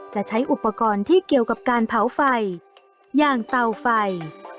ใช้อุปกรณ์ที่เกี่ยวกับการเผาไฟอย่างเตาไฟ